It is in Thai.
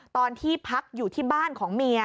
ตอนที่พักอยู่ที่บ้านของเมีย